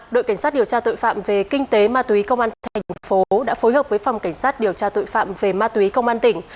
đội cảnh sát điều tra tội phạm về kinh tế ma túy công an thành phố đã phối hợp với phòng cảnh sát điều tra tội phạm về ma túy công an tỉnh